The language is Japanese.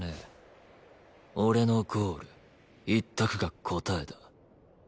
俺のゴール１択が答えだ。